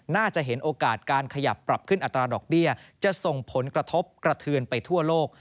น่าจะเห็นโอกาสการขยับปรับขึ้นอัตราดอกเบี้ยจะส่งผลกระทบกระเทือนไปทั่วโลก